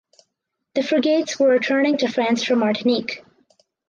The frigates were returning to France from Martinique.